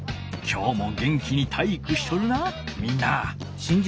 きょうも元気に体育しとるなみんな！